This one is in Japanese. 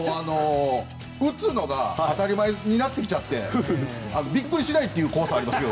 打つのが当たり前になっちゃってビックリしないという怖さがありますが。